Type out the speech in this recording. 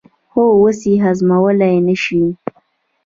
خو اوس یې هضمولای نه شي.